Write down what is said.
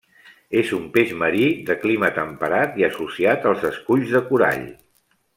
És un peix marí, de clima temperat i associat als esculls de corall.